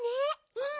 うん。